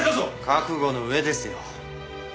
覚悟の上ですよ。